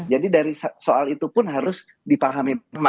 jadi dari soal itu pun harus dipahami